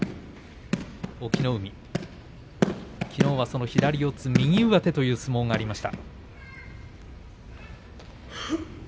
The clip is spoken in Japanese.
隠岐の海、きのうは左四つ右上手という相撲がありました。